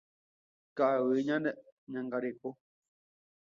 Ka'aguy ñangareko.